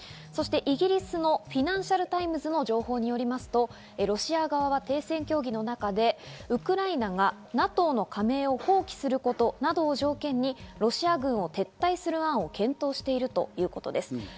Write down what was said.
そしてイギリスのフィナンシャル・タイムズの情報によりますと、ロシア側は停戦協議の中でウクライナがＮＡＴＯの加盟を放棄することなどを条件にロシア軍を撤退する案を検討しているということです。